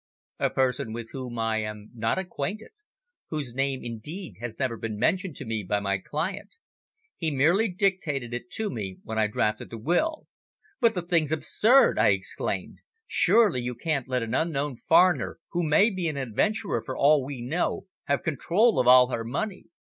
"A person with whom I am not acquainted; whose name, indeed, has never been mentioned to me by my client. He merely dictated it to me when I drafted the will." "But the thing's absurd!" I exclaimed. "Surely you can't let an unknown foreigner, who may be an adventurer for all we know, have control of all her money?"